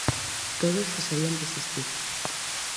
Todos cesarían de existir.